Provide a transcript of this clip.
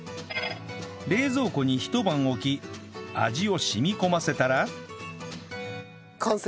冷蔵庫にひと晩置き味を染み込ませたら完成？